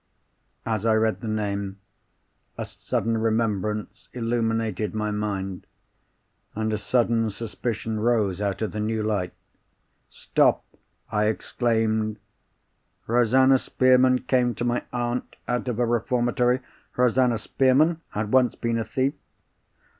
As I read the name, a sudden remembrance illuminated my mind, and a sudden suspicion rose out of the new light. "Stop!" I exclaimed. "Rosanna Spearman came to my aunt out of a reformatory? Rosanna Spearman had once been a thief?"